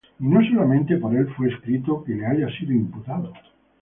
Y no solamente por él fué escrito que le haya sido imputado;